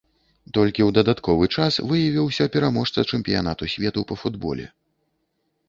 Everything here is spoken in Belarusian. Толькі ў дадатковы час выявіўся пераможца чэмпіянату свету па футболе.